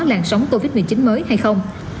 làn sóng covid một mươi chín mới hay không